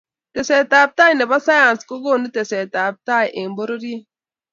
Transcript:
somanet ne bo siyanis kokonu teset ab tai eng pororiet